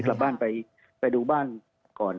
กลับบ้านไปดูบ้านก่อน